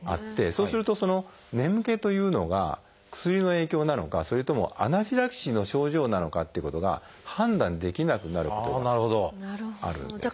そうするとその眠気というのが薬の影響なのかそれともアナフィラキシーの症状なのかっていうことが判断できなくなることがあるんですね。